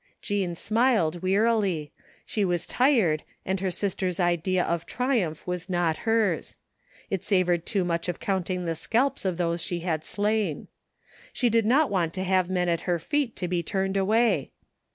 Jean smiled wearily. She was tired and her sister's idea of triumph was not hers. It savored too much of counting the scalps of those she had slain. She did not want to have men at her feet to be turned away.